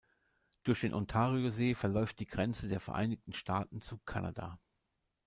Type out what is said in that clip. Durch den Ontariosee verläuft die Grenze der Vereinigten Staaten zu Kanada.